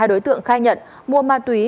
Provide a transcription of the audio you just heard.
hai đối tượng khai nhận mua ma túy